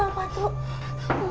mungkin masuk lik instructions